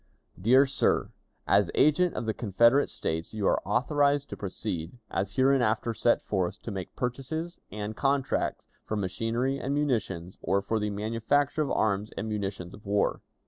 "Dear Sir: As agent of the Confederate States, you are authorized to proceed, as hereinafter set forth, to make purchases, and contracts for machinery and munitions, or for the manufacture of arms and munitions of war.